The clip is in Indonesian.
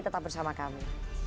tetap bersama kami